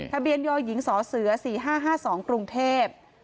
ทะเบียนยหญิงสเส๔๕๕๒กรุงเทพ